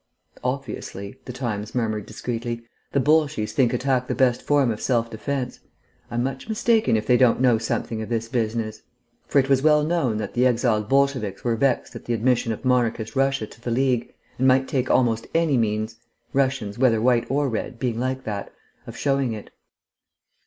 "Obviously," the Times murmured discreetly, "the Bolshies think attack the best form of self defence. I'm much mistaken if they don't know something of this business." For it was well known that the exiled Bolsheviks were vexed at the admission of monarchist Russia to the League, and might take almost any means (Russians, whether White or Red, being like that) of showing it.